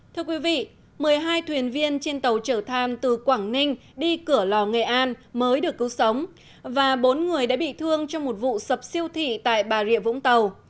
thưa quý vị một mươi hai thuyền viên trên tàu trở tham từ quảng ninh đi cửa lò nghệ an mới được cứu sống và bốn người đã bị thương trong một vụ sập siêu thị tại bà rịa vũng tàu